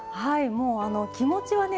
もう気持ちはね